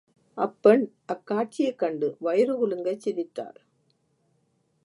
அப்பெண் அக் காட்சியைக் கண்டு வயிறு குலுங்கச் சிரித்தாள்.